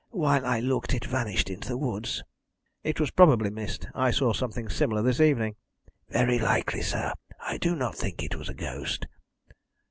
While I looked it vanished into the woods." "It was probably mist. I saw something similar this evening!" "Very likely, sir. I do not think it was a ghost."